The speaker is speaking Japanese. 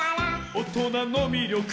「おとなのみりょく」